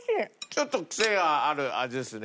ちょっとクセがある味ですね